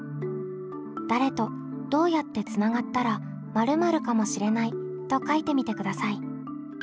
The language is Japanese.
誰とどうやってつながったら○○かもしれないと書いてみてください。